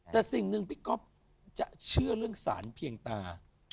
แต่สิ่งหนึ่งพี่ก๊อฟจะเชื่อเรื่องสารเพียงตา